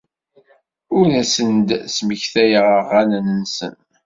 Ur asen-d-smektayeɣ aɣanen-nsen.